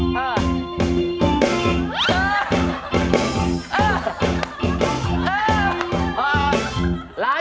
แทนโค